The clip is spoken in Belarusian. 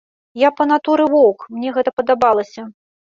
Я па натуры воўк, мне гэта падабалася.